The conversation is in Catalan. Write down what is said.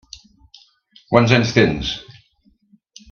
Quants anys tens?